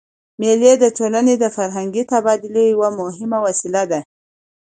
مېلې د ټولني د فرهنګي تبادلې یوه مهمه وسیله ده.